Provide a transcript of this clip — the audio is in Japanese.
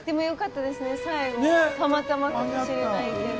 たまたまかもしれないけど。